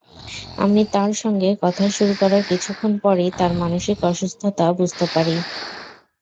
আমি তাঁর সঙ্গে কথা শুরু করার কিছুক্ষণ পরই তাঁর মানসিক অসুস্থতা বুঝতে পারি।